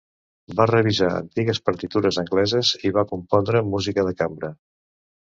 Va revisar antigues partitures angleses i va compondre música de cambra.